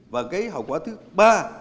và cái hậu quả thứ ba